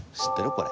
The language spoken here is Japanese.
これ。